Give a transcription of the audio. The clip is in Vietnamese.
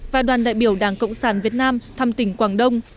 và đoàn đại biểu đảng cộng sản việt nam thăm tỉnh quảng đông